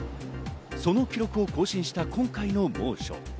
その記録を更新した今回の猛暑。